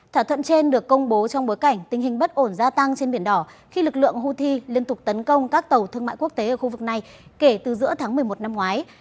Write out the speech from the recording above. thỏa thuận trên được công bố trong bối cảnh tình hình bất ổn gia tăng trên biển đỏ khi lực lượng houthi liên tục tấn công các tàu thương mại quốc tế ở khu vực này kể từ giữa tháng một mươi một năm ngoái